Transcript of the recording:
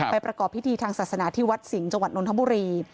ประกอบพิธีทางศาสนาที่วัดสิงห์จังหวัดนทบุรี